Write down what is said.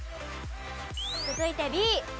続いてＢ。